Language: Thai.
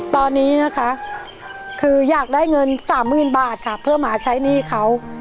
ตอนนี้นะคะคืออยากได้เงินสามหมื่นบาทค่ะเพื่อมาใช้หนี้เขา